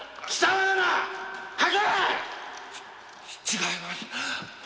違います